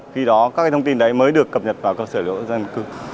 khi đó các thông tin đấy mới được cập nhật vào cơ sở dữ liệu dân cư